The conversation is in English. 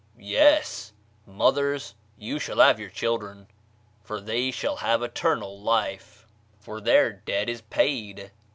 yes! Mothers, you shall have your children; for they shall have eternal life; for their debt is paid.